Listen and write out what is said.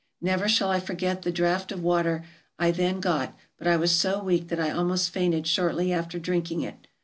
Never shall I forget the draught of water I then got, but I was so weak that I almost fainted shortly after drinking it.